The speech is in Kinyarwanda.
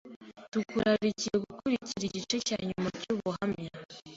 Tukurarikiye gukurikira igice cya nyuma cy’ubu buhamya